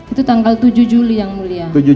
itu tanggal tujuh juli yang mulia